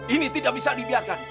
ini tidak bisa dibiarkan